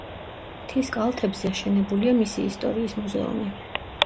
მთის კალთებზე აშენებულია მისი ისტორიის მუზეუმი.